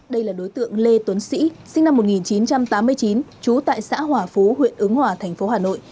đây là đối tượng lê tuấn sĩ sinh năm một nghìn chín trăm tám mươi chín trú tại xã hòa phú huyện ứng hòa thành phố hà nội